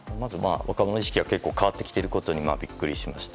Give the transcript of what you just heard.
若者の意識が結構変わってきてることにビックリしました。